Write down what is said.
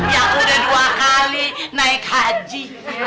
ya udah dua kali naik haji